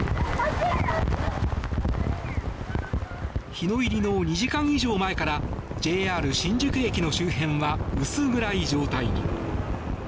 日の入りの２時間以上前からＪＲ新宿駅の周辺は薄暗い状態に。